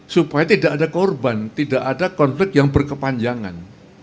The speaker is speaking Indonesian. supaya tidak ada korban tidak ada konflik yang berkepanjangan